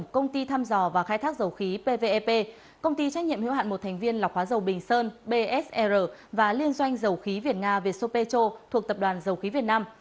công ty trách nhiệm hiệu hạn một thành viên lọc hóa dầu bình sơn bsr và liên doanh dầu khí việt nga viet sopecho thuộc tập đoàn dầu khí việt nam